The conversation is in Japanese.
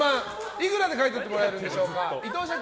いくらで買い取ってもらえるんでしょうか。